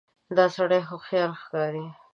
دا سړی هوښیار ښکاري.